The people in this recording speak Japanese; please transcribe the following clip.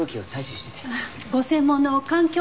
ご専門の環境